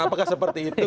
apakah seperti itu